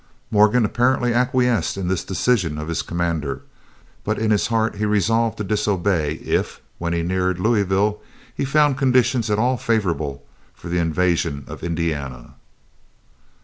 Morgan apparently acquiesced in this decision of his commander; but in his heart he resolved to disobey if, when he neared Louisville, he found conditions at all favorable for the invasion of Indiana.